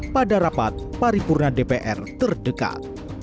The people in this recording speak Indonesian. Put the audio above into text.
pada rapat paripurna dpr terdekat